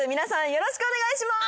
よろしくお願いします。